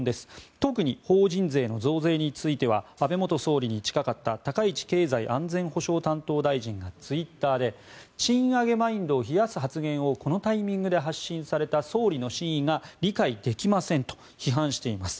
特に法人税の増税については安倍元総理に近かった高市経済安全保障担当大臣がツイッターで賃上げマインドを冷やす発言をこのタイミングで発信された総理の真意が理解できませんと批判しています。